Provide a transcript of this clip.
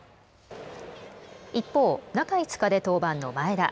一方、中５日で登板の前田。